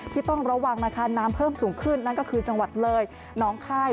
ที่ต้องระวังนะคะน้ำเพิ่มสูงขึ้นนั่นก็คือจังหวัดเลยน้องค่าย